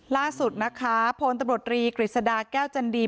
ล่าสุดนะคะพลตำรวจรีกฤษฎาแก้วจันดี